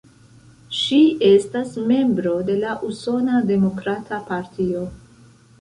Ŝi estas membro de la Usona Demokrata Partio.